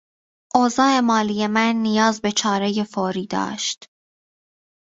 اوضاع مالی من نیاز به چارهی فوری داشت.